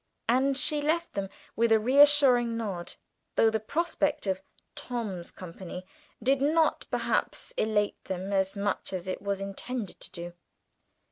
And she left them with a reassuring nod, though the prospect of Tom's company did not perhaps elate them as much as it was intended to do.